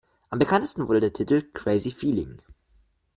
Am bekanntesten wurde der Titel "Crazy Feeling".